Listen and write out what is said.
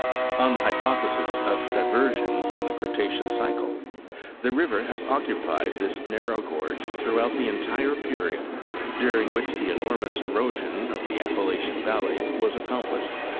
On the hypothesis of diversion in the Cretaceous cycle, the river Walden Gorge and Tennessee Valley. 118 has oceupied this narrow gorge throughout the entire period during which the enormous erosion of the Appalachian valley was accomplished.